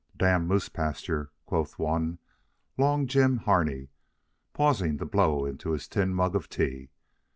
"Damned moose pasture," quoth one, Long Jim Harney, pausing to blow into his tin mug of tea.